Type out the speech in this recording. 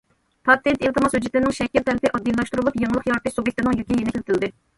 پاتېنت ئىلتىماس ھۆججىتىنىڭ شەكىل تەلىپى ئاددىيلاشتۇرۇلۇپ، يېڭىلىق يارىتىش سۇبيېكتىنىڭ يۈكى يېنىكلىتىلدى.